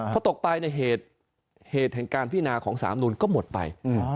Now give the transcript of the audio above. พอตกไปในเหตุแห่งการพินาของสามนุนก็หมดไป